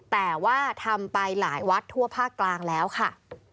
แต่ว่าทำไปหลายวัดทั่วภาคกลางแล้วค่ะ